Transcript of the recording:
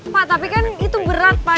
pak tapi kan itu berat pak